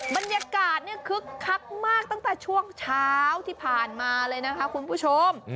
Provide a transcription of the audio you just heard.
บรรยากาศเนี่ยคึกคักมากตั้งแต่ช่วงเช้าที่ผ่านมาเลยนะคะคุณผู้ชม